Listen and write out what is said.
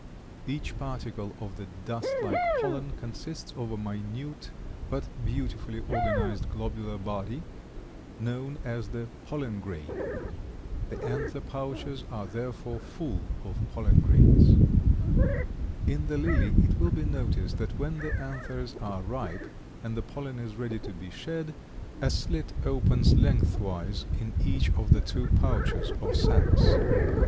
Each particle of this dust like pollen consists of a minute, but beautifully organized globular body, known as the pollen grain. The anther pouches are therefore full of pollen grains. [Illustration: RED OR WOOD LILY. (Lilium Philadelphicum)] In the lily it will be noticed that when the anthers are ripe and the pollen is ready to be shed, a slit opens lengthwise in each of the two pouches or sacs.